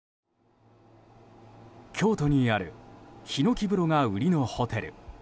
京都にあるヒノキ風呂が売りのホテル。